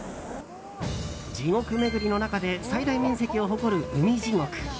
地獄めぐりの中で最大面積を誇る海地獄。